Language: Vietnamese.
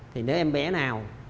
thì nếu em bé nào